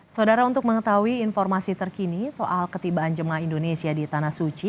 saudara untuk mengetahui informasi terkini soal ketibaan jemaah indonesia di tanah suci